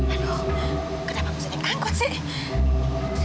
aduh kenapa harus naik angkot sih